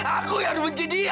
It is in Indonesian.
aku yang harus benci dia